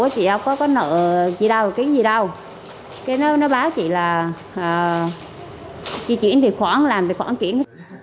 chị không có nợ gì đâu cái gì đâu cái nó báo chị là chị chuyển tài khoản làm tài khoản chuyển